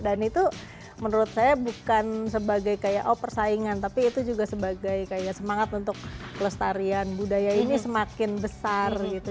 dan itu menurut saya bukan sebagai kayak oh persaingan tapi itu juga sebagai kayak semangat untuk kelestarian budaya ini semakin besar gitu